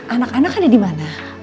anak anak ada di mana